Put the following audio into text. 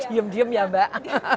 dium dium ya mbak